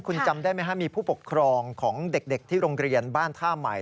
คุณจำได้ไหมครับมีผู้ปกครองของเด็กที่โรงเรียนบ้านท่าใหม่